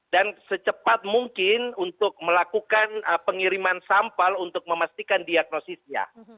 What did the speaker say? dan secepat mungkin untuk melakukan pengiriman sampal untuk memastikan diagnosisnya